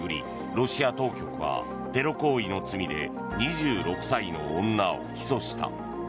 ロシア当局はテロ行為の罪で２６歳の女を起訴した。